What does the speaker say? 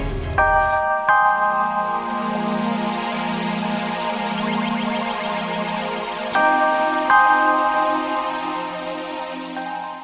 aida itu sudah kembali ke rumah